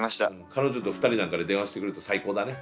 彼女と２人なんかで電話してくれると最高だね